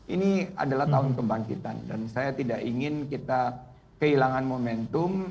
ini adalah tahun kebangkitan dan saya tidak ingin kita kehilangan momentum